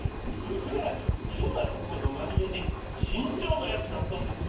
そりゃクソが付くほど真面目で慎重な奴だったんですぞ。